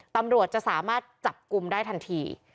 ตำรวจจะสามารถจับกลุ่มได้ทันที